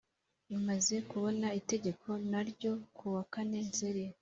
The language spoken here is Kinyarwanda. Imaze kubona Itegeko no ryo ku wa kane nzeri